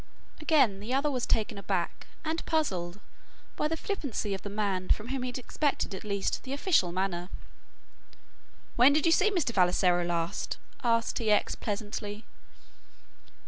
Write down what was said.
Again the other was taken back and puzzled by the flippancy of the man from whom he had expected at least the official manner. "When did you see Mr. Vassalaro last?" asked T. X. pleasantly.